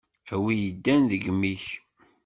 A wi iddan deg imi-k!